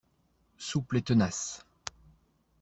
Souple et tenace